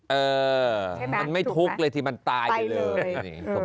เออมันไม่ทุกข์เลยที่มันตายไปเลย